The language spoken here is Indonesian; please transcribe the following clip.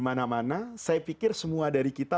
mana mana saya pikir semua dari kita